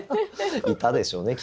いたでしょうね